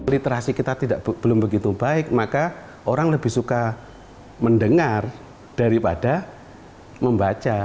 literasi kita belum begitu baik maka orang lebih suka mendengar daripada membaca